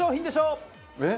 えっ？